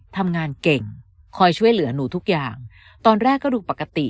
ทำงานเก่งคอยช่วยเหลือหนูทุกอย่างตอนแรกก็ดูปกติ